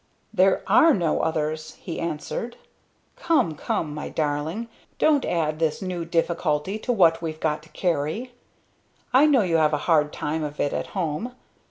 "There are no others," he answered. "Come! come! my darling, don't add this new difficulty to what we've got to carry! I know you have a hard time of it at home.